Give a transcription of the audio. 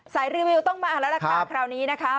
สายรีวิวต้องมาแล้วละคราวนี้นะคะ